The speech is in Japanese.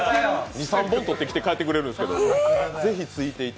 ２３本撮ってきて帰ってきてくれるんですけど、ぜひ。